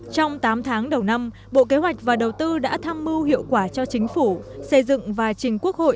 trong tám tháng đầu năm bộ kế hoạch và đầu tư đã tham mưu hiệu quả cho chính phủ xây dựng và trình quốc hội